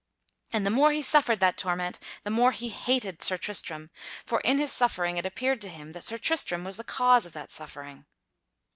And the more he suffered that torment, the more he hated Sir Tristram, for in his suffering it appeared to him that Sir Tristram was the cause of that suffering.